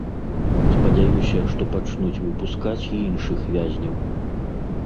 Спадзяюся, што пачнуць выпускаць і іншых вязняў.